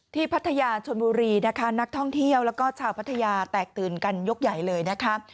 พัทยาชนบุรีนะคะนักท่องเที่ยวแล้วก็ชาวพัทยาแตกตื่นกันยกใหญ่เลยนะคะ